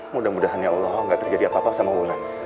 mudah mudahan ya allah gak terjadi apa apa sama allah